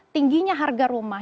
tingginya harga rumah